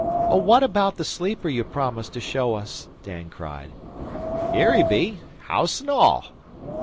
'Oh, what about the sleeper you promised to show us?' Dan cried. ''Ere he be house an' all!